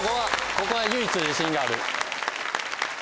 ここは唯一自信がある。